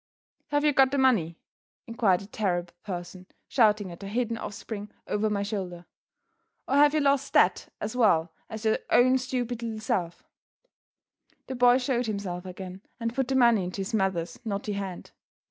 "Have you got the money?" inquired the terrible person, shouting at her hidden offspring over my shoulder. "Or have you lost that as well as your own stupid little self?" The boy showed himself again, and put the money into his mother's knotty hand.